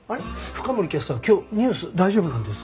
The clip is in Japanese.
深森キャスター今日ニュース大丈夫なんですか？